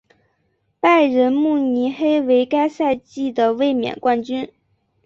拜仁慕尼黑为该赛季的卫冕冠军。